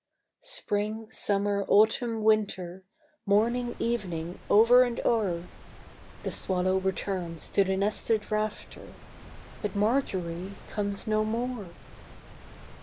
Spring, summer, autumn, winter, Morning, evening, over and o'er! The swallow returns to the nested rafter, But Marjory comes no more.